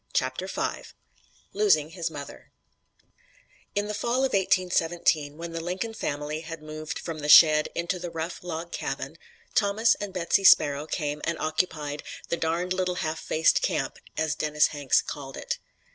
CHAPTER V LOSING HIS MOTHER In the fall of 1817, when the Lincoln family had moved from the shed into the rough log cabin, Thomas and Betsy Sparrow came and occupied the "darned little half faced camp," as Dennis Hanks called it.